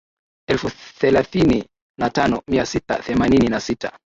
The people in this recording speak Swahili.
elfu thelathini na tano mia sita themanini na sita